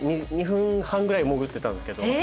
２分半ぐらい潜ってたんですけど。